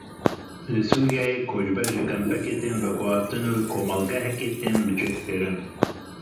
Li Sûriyeyê koçber ji kampekê tên veguheztin û li komelgehekê tên bicihkirin.